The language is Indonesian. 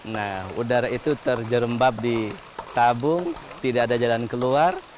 nah udara itu terjerembab di tabung tidak ada jalan keluar